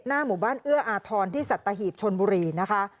หน้าหมู่บ้านเอื้ออาธรณ์ที่สัตถีีชนบุรีนะคะ